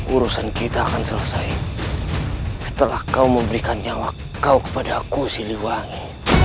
urusan kita akan selesai setelah kau memberikan nyawa kau kepada aku siliwangi